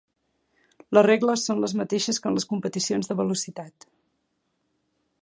Les regles són les mateixes que en les competicions de velocitat.